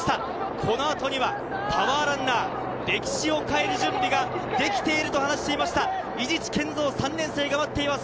この後にはパワーランナー、歴史を変える準備ができていると話していた伊地知賢造・３年生が待っています。